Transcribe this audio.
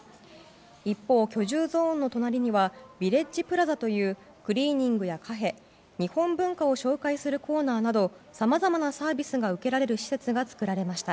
一方、居住ゾーンの隣にはビレッジプラザというクリーニングやカフェ日本文化を紹介するコーナーなどさまざまなサービスが受けられる施設が作られました。